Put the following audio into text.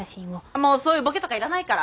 もうそういうボケとかいらないから。